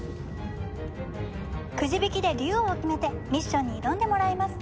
くじ引きでデュオを決めてミッションに挑んでもらいます。